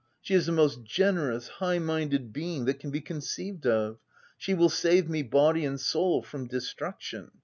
She is the most gene rous, high minded being that can be conceived of. She will save me, body and soul, from de struction.